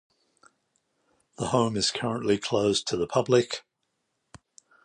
The home is currently closed to the public.